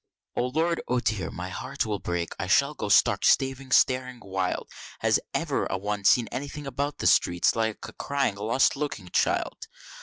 "O Lord! O dear, my heart will break, I shall go stick stark staring wild! Has ever a one seen anything about the streets like a crying lost looking child?